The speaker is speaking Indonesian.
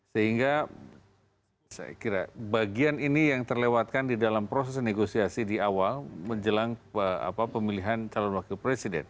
sehingga saya kira bagian ini yang terlewatkan di dalam proses negosiasi di awal menjelang pemilihan calon wakil presiden